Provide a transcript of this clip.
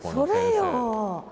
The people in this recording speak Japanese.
それよ！